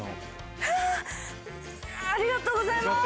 ありがとうございます。